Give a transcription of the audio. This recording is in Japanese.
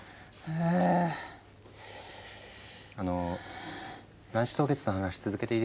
あの卵子凍結の話続けていいですか？